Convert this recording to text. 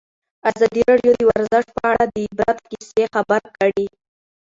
ازادي راډیو د ورزش په اړه د عبرت کیسې خبر کړي.